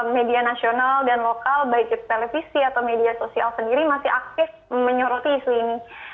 media nasional dan lokal baik itu televisi atau media sosial sendiri masih aktif menyoroti isu ini